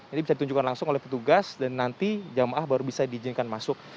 ini bisa ditunjukkan langsung oleh petugas dan nanti jamaah baru bisa diizinkan masuk